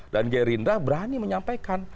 dan gerindra berani menyampaikan